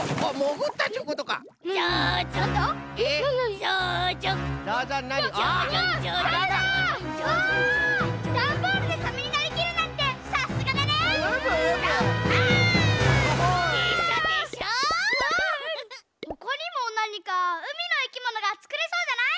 ほかにもなにかうみのいきものがつくれそうじゃない？